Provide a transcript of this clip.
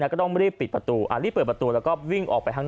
ก็ต้องรีบปิดประตูรีบเปิดประตูแล้วก็วิ่งออกไปข้าง